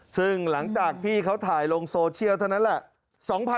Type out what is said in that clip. ซึ่งหลังจากพี่เขาถ่ายลงโซเชียลเท่านั้นแหละ